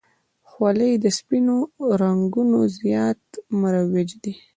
خولۍ د سپینو رنګو زیات مروج دی.